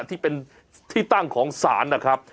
ที่เป็นที่ตั้งของศาลนะครับ